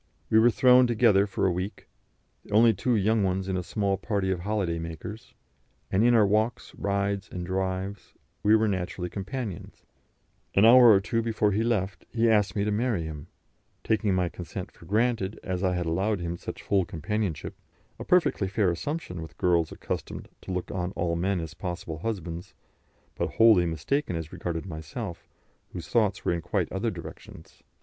We were thrown together for a week, the only two young ones in a small party of holiday makers, and in our walks, rides, and drives we were naturally companions; an hour or two before he left he asked me to marry him, taking my consent for granted as I had allowed him such full companionship a perfectly fair assumption with girls accustomed to look on all men as possible husbands, but wholly mistaken as regarded myself, whose thoughts were in quite other directions.